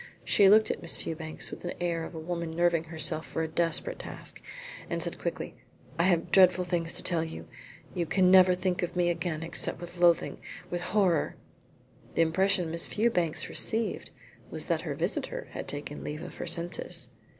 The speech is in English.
She looked at Miss Fewbanks with the air of a woman nerving herself for a desperate task, and said quickly: "I have dreadful things to tell you. You can never think of me again except with loathing with horror." The impression Miss Fewbanks received was that her visitor had taken leave of her senses.